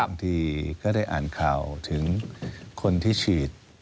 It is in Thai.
บางทีก็ได้อ่านข่าวถึงคนที่ฉีด